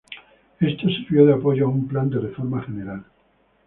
Esto sirvió de apoyo a un plan de reforma general.